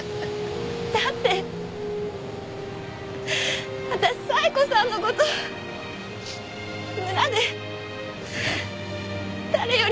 だって私冴子さんの事村で誰よりも一番。